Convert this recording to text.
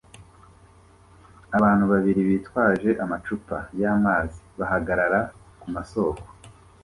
Abantu babiri bitwaje amacupa yamazi bahagarara kumasoko